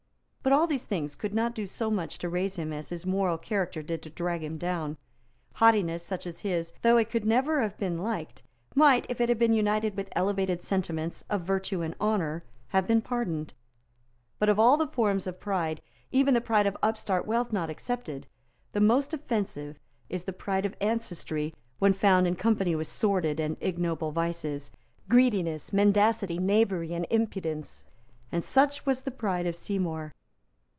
But all these things could not do so much to raise him as his moral character did to drag him down. Haughtiness such as his, though it could never have been liked, might, if it had been united with elevated sentiments of virtue and honour, have been pardoned. But of all the forms of pride, even the pride of upstart wealth not excepted, the most offensive is the pride of ancestry when found in company with sordid and ignoble vices, greediness, mendacity, knavery and impudence; and such was the pride of Seymour.